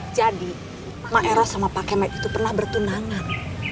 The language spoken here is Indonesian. jadi maera sama pak kemat itu pernah bertunangan